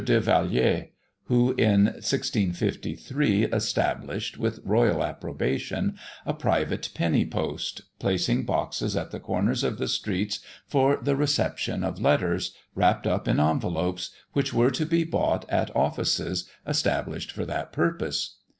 de Velayer, who, in 1653, established, with royal approbation, a private penny post, placing boxes at the corners of the streets for the reception of letters, wrapped up in envelopes, which were to be bought at offices established for that purpose.